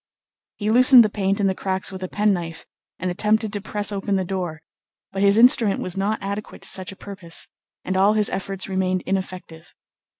He loosened the paint in the cracks with a penknife, and attempted to press open the door; but his instrument was not adequate to such a purpose, and all his efforts remained ineffective.